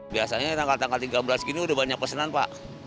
biasanya tanggal tanggal tiga belas gini udah banyak pesanan pak